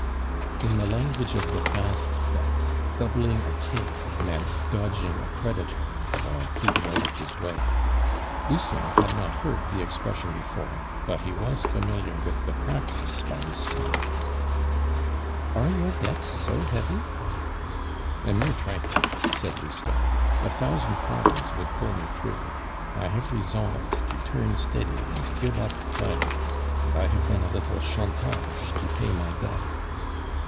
In the language of the fast set, doubling a cape meant dodging a creditor, or keeping out of his way. Lucien had not heard the expression before, but he was familiar with the practice by this time. "Are your debts so heavy?" "A mere trifle," said Lousteau. "A thousand crowns would pull me through. I have resolved to turn steady and give up play, and I have done a little 'chantage' to pay my debts."